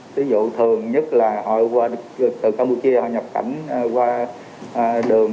ví dụ thường nhất là họ từ campuchia họ nhập cảnh qua đường